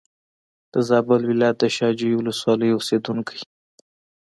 د زابل ولایت د شا جوی ولسوالۍ اوسېدونکی.